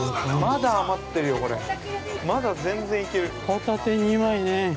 ◆ホタテ２枚ね。